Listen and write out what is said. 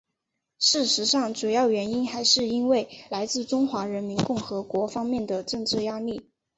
事实上主要原因还是因为来自中华人民共和国方面的政治压力。